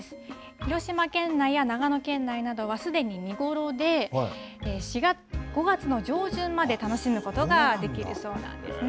広島県内や長野県内などは、すでに見頃で、５月の上旬まで楽しむことができるそうなんですね。